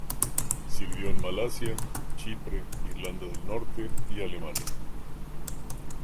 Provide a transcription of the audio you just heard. Sirvió en Malasia, Chipre, Irlanda del Norte y Alemania.